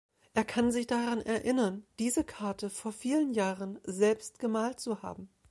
Er kann sich daran erinnern, diese Karte vor vielen Jahren selbst gemalt zu haben.